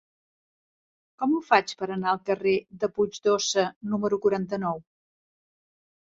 Com ho faig per anar al carrer de Puig d'Óssa número quaranta-nou?